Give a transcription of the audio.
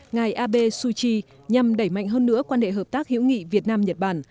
ngài abe suu kyi nhằm đẩy mạnh hơn nữa quan hệ hợp tác hữu nghị việt nam nhật bản